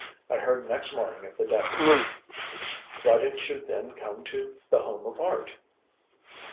I heard next morning of the death." "Why didn't you then come to The Home of Art?"